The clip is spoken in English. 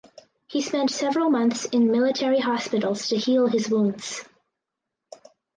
He spent several months in military hospitals to heal his wounds.